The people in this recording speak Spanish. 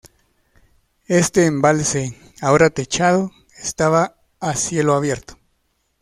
Este embalse, ahora techado, estaba a cielo abierto.